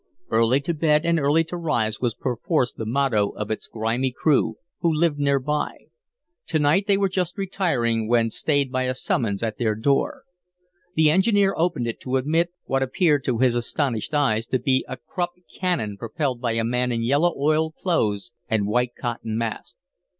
Early to bed and early to rise was perforce the motto of its grimy crew, who lived near by. To night they were just retiring when stayed by a summons at their door. The engineer opened it to admit what appeared to his astonished eyes to be a Krupp cannon propelled by a man in yellow oiled clothes and white cotton mask.